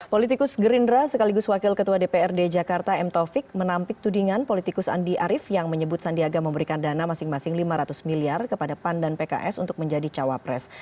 politikus gerindra sekaligus wakil ketua dprd jakarta m taufik menampik tudingan politikus andi arief yang menyebut sandiaga memberikan dana masing masing lima ratus miliar kepada pan dan pks untuk menjadi cawapres